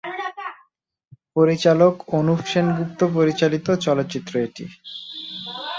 পরিচালক অনুপ সেনগুপ্ত পরিচালিত চলচ্চিত্র এটি।